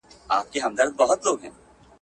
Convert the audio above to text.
تن د بل پر ولات اوسي روح مي ګران افغانستان دی ..